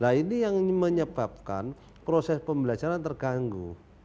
nah ini yang menyebabkan proses pembelajaran terganggu